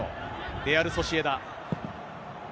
レアル・ソシエダ。